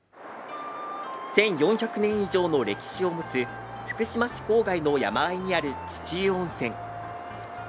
１４００年以上の歴史を持つ福島市郊外の山あいにある土湯温泉。